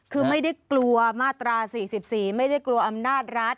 คือไม่ได้กลัวมาตรา๔๔ไม่ได้กลัวอำนาจรัฐ